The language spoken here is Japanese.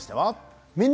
「みんな！